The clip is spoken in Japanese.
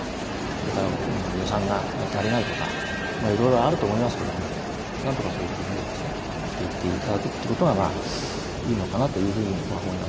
それから予算が足りないとかいろいろあると思いますけれどもなんとか、そういう工夫をしていっていただくのがいいのかなというふうに思います。